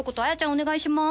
お願いします